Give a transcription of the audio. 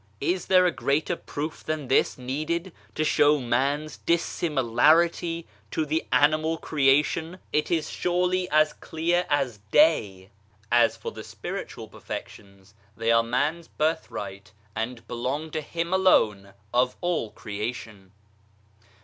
Is there a greater proof than this needed to show man's dissimilarity to the animal creation ? It is surely as clear as day. As for the spiritual perfections they are man's birth right and belong to him alone of all creation.